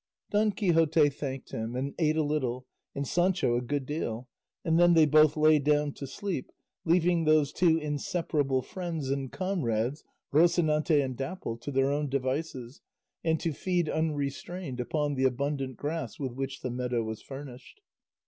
Don Quixote thanked him, and ate a little, and Sancho a good deal, and then they both lay down to sleep, leaving those two inseparable friends and comrades, Rocinante and Dapple, to their own devices and to feed unrestrained upon the abundant grass with which the meadow was furnished.